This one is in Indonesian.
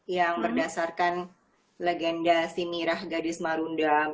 yang berdasarkan legenda si mirah gadis marundam